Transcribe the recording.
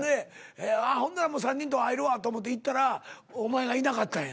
あっほんなら３人と会えるわと思って行ったらお前がいなかったんや。